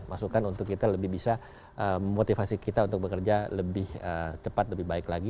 masukan untuk kita lebih bisa memotivasi kita untuk bekerja lebih cepat lebih baik lagi